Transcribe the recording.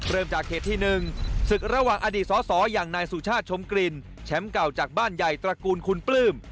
เริ่มจากเขตที่๑ศึกระหว่างอดีตสสอย่างนายสุชาติชมกลิ่นแชมป์เก่าจากบ้านใหญ่ตระกูลคุณปลื้ม